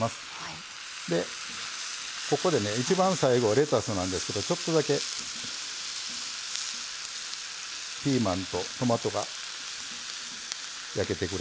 ここでね一番最後レタスなんですけどちょっとだけピーマンとトマトが焼けてくれたらうれしい。